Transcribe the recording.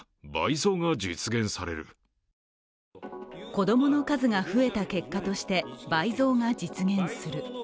子供の数が増えた結果として、倍増が実現する。